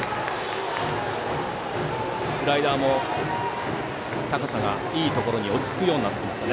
スライダーも高さがいいところに落ち着くようになりました。